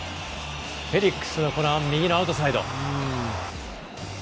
フェリックスの右のアウトサイド。